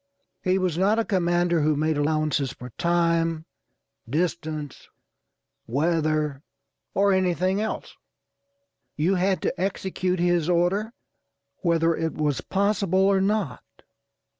He was not a commander who made allowances for time, distance, weather, or anything else. You had to execute his order whether it was possible or not.